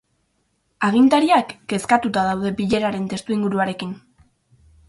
Agintariak kezkatuta daude bileraren testuinguruarekin.